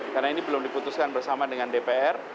karena ini belum diputuskan bersama dengan dpr